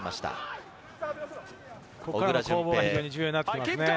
ここからの攻防が重要になってきますね。